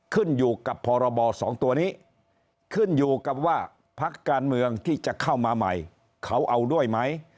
ขึ้นอยู่กับพรบสองตัวนี้ขึ้นอยู่กับว่าพักการเมืองที่จะเข้ามาใหม่เขาเอาด้วยไหม